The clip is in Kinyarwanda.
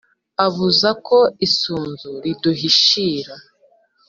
Abuza ko isunzu riduhishira!"